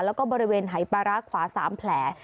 แล้วก็บริเวณหายปลาร้าขวา๓แผล